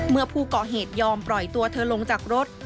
เมื่อผู้ก่อเหตุยอมปล่อยตัวเธอลงจากรถ